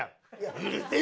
「うるせえ！